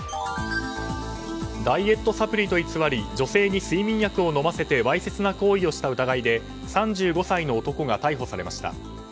ダイエットサプリと偽り女性に睡眠薬を飲ませてわいせつな行為をした疑いで３５歳の男が逮捕されました。